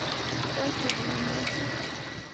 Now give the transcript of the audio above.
Kaychu ruwanayki?